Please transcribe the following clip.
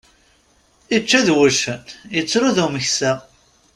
Ičča d wuccen, ittru d umeksa.